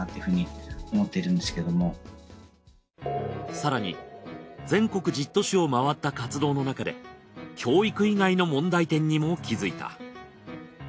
更に全国１０都市を回った活動のなかで教育以外の問題点にも気付いた。